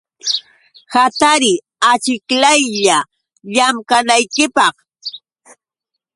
Hatariy achiklaylla llamkanaykipaq.